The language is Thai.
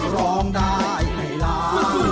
ร้องได้ให้ล้าน